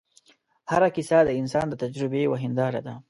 هره کیسه د انسان د تجربې یوه هنداره ده.